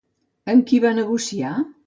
Amb qui va negociar?